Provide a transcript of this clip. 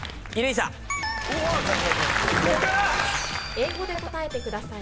［英語で答えてください］